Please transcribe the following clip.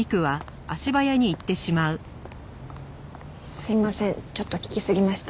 すいませんちょっと聞きすぎました。